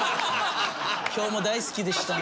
「今日も大好きでした」